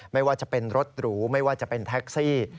ไม่ว่าจะเป็นรถหรูไม่ว่าจะเป็นแท็กซี่